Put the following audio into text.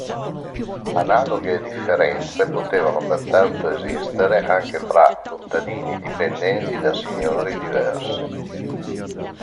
Analoghe differenze potevano pertanto esistere anche tra contadini dipendenti da signori diversi.